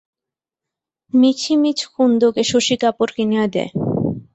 মিছিমিছ কুন্দকে শশী কাপড় কিনিয়া দেয়।